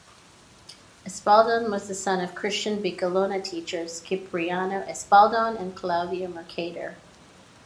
Espaldon was the son of Christian Bicolano teachers Cipriano Espaldon and Claudia Mercader.